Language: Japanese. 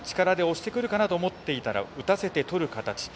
力で押してくるかなと思っていたが、打たせてとる形。